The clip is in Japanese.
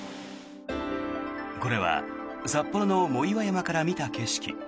これは札幌の藻岩山から見た景色。